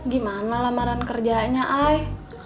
gimana lamaran kerjanya ay